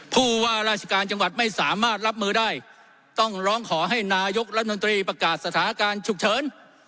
ผู้ว่าราชการจังหวัดไม่สามารถรับมือได้ต้องร้องขอให้นายกรัฐมนตรีประกาศสถานการณ์ฉุกเฉิน